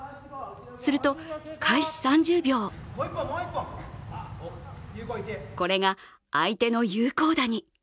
すると開始３０秒これが相手の有効打に。